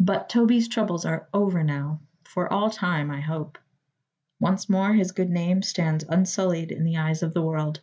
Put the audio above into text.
But Toby's troubles are over, now; for all time, I hope. Once more his good name stands unsullied in the eyes of the world.